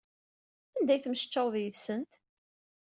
Anda ay temmectcaweḍ yid-sent?